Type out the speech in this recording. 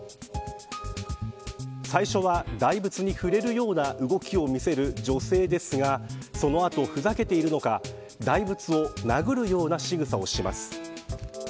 最初は大仏に触れるような動きを見せる女性ですがその後、ふざけているのか大仏を殴るような仕草をします。